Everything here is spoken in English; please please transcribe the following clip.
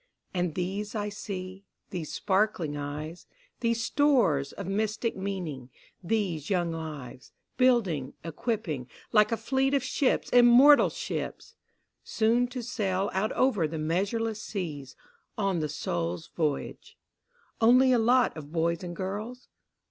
And these I see, these sparkling eyes, These stores of mystic meaning, these young lives, Building, equipping like a fleet of ships, immortal ships, Soon to sail out over the measureless seas, On the soul's voyage. Only a lot of boys and girls?